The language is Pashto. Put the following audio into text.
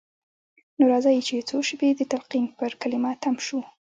نو راځئ چې څو شېبې د تلقين پر کلمه تم شو.